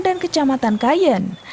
dan kecamatan kayen